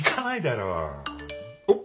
おっ。